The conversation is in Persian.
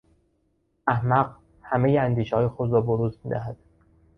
احمق همهی اندیشههای خود را بروز میدهد.